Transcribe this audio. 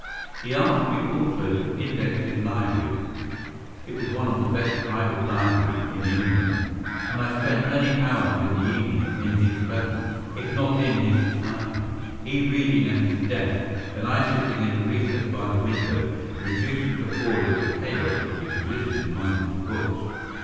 He asked me also to index his library (it was one of the best private libraries in England), and I spent many hours in the evening in his presence, if not in his society, he reading at his desk and I sitting in a recess by the window reducing to order the chaos which existed among his books.